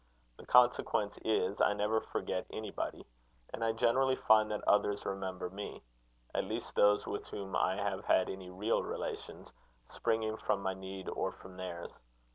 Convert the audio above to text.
The consequence is, I never forget anybody; and I generally find that others remember me at least those with whom I have had any real relations, springing from my need or from theirs.